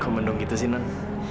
kok mendung gitu sih non